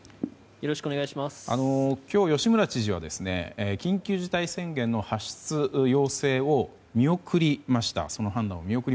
今日、吉村知事は緊急事態宣言の発出の要請を見送りました。